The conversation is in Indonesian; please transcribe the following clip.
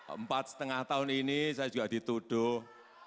empat setengah tahun ini saya juga dituduh